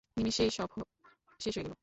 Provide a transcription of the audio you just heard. নিমিষেই সব হয়ে গেল।